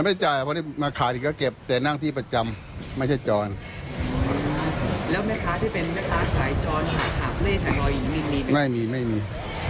ไม่มีไม่มี